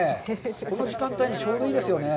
この時間帯に、ちょうどいいですよね。